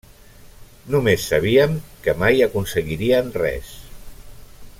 Només sabíem que mai aconseguirien res.